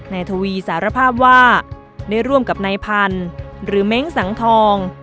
ทวีสารภาพว่าได้ร่วมกับนายพันธุ์หรือเม้งสังทอง